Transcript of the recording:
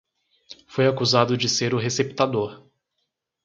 Foi acusado de ser o receptador